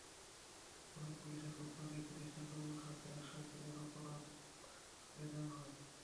পরে পুলিশের পক্ষ থেকে দৃষ্টান্তমূলক শাস্তির আশ্বাস দিলে অবরোধ তুলে নেওয়া হয়।